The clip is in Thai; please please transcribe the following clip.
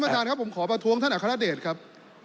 ท่านครับผมขอประท้วงท่านอัครเดชครับ